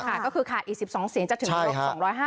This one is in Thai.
ค่ะก็คือขาดอีก๑๒เซียงจะถึงกึ่ง๒๕๐